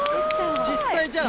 実際、じゃあ。